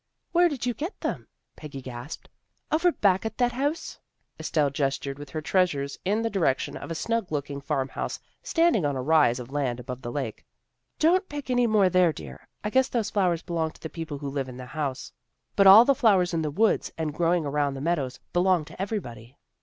" Where did you get them? " Peggy gasped. " Over back of that house." Estelle ges tured with her treasures in the direction of a snug looking farmhouse standing on a rise of land above the lake. " Don't pick any more there, dear. I guess those flowers belong to the people who live in the house. But all the flowers in the woods, and growing around the meadows, belong to everybody."